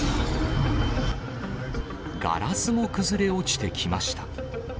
ガラスも崩れ落ちてきました。